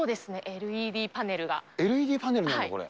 ＬＥＤパネルなんだ、これ。